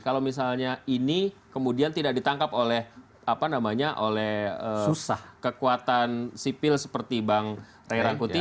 kalau misalnya ini kemudian tidak ditangkap oleh apa namanya oleh kekuatan sipil seperti bang rai rangkuti